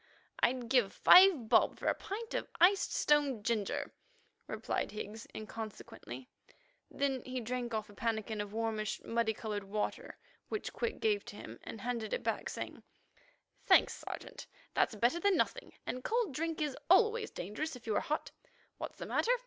"I'd give five bob for a pint of iced stone ginger," replied Higgs inconsequently. Then he drank off a pannikin of warmish, muddy coloured water which Quick gave to him, and handed it back, saying: "Thanks, Sergeant; that's better than nothing, and cold drink is always dangerous if you are hot. What's the matter?